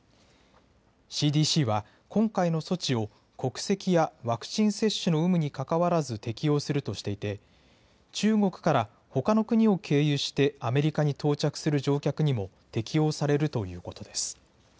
ＣＤＣは今回の措置を、国籍やワクチン接種の有無にかかわらず適用するとしていて、中国からほかの国を経由してアメリカに到着する乗客にも適用されるということです。